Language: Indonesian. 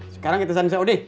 sekarang kita samsa udi